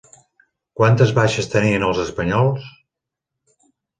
Quantes baixes tenien els Espanyols?